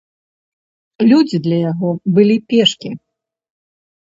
Людзі для яго былі пешкі.